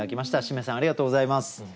しめさんありがとうございます。